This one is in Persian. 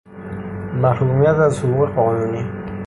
محرومیت از حقوق قانونی